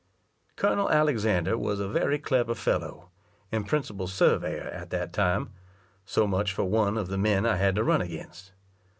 Col. Alexander was a very clever fellow, and principal surveyor at that time; so much for one of the men I had to run against.